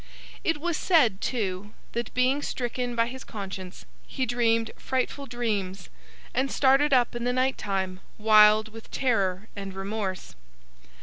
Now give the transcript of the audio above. It was said too, that, being stricken by his conscience, he dreamed frightful dreams, and started up in the night time, wild with terror and remorse.